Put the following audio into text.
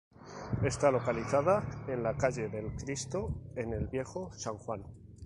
Está localizada en la calle del Cristo, en el Viejo San Juan.